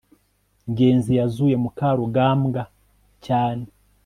ngenzi yazuye mukarugambwa cyane